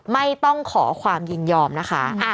ไม่ต้องขอความยินยอมนะคะ